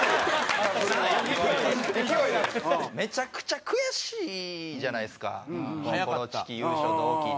めちゃくちゃ悔しいじゃないですかコロチキ優勝同期。